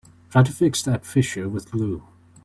Try to fix that fissure with glue.